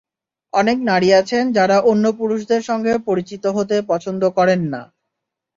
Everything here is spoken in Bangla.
অনেক নারী আছেন, যাঁরা অন্য পুরুষদের সঙ্গে পরিচিত হতে পছন্দ করেন না।